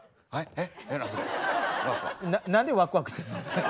何でワクワクしてんの？